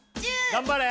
頑張れ！